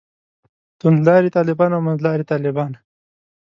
توندلاري طالبان او منځلاري طالبان.